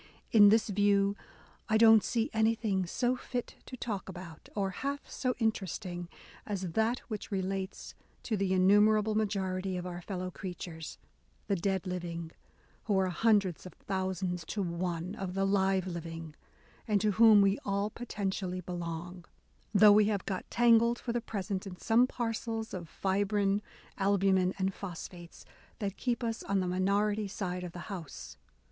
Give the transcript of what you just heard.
In this view, I don't see anything so fit to talk about, or half so interest ing, as that which relates to the innumerable majority of our fellow creatures, the dead living, who are hundreds of thousands to one of the live living and to whom we all potentially belong, though we have got tangled for the present in some parcels of fibrine, albumen, and phosphates, that keep us on the minority side of the house."